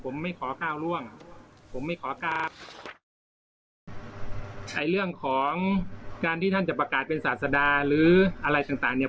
ผมไม่ขอก้าวในเรื่องของการที่ท่านจะประกาศเป็นศาสดาหรืออะไรต่างต่างเนี่ย